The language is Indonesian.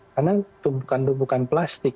karena tumpukan tumpukan plastik